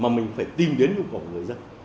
mà mình phải tìm đến nhu cầu của người dân